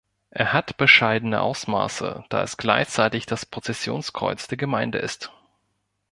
Es hat bescheidene Ausmaße, da es gleichzeitig das Prozessionskreuz der Gemeinde ist.